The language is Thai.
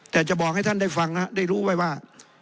แต่จะบอกให้ท่านได้ฟังนะครับได้รู้ไว้ว่า